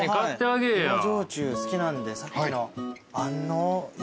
芋焼酎好きなんでさっきの安納芋の。